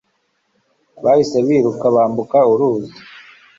Bahise biruka bambuka uruzi